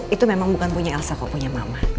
itu memang bukan punya elsa kok punya mama